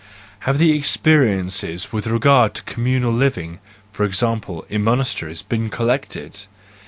Have the experiences with regard to communal living, for example, in monasteries, been collected?